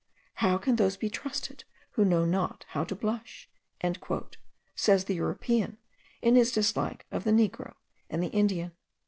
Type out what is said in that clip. "How can those be trusted who know not how to blush?" says the European, in his dislike of the Negro and the Indian.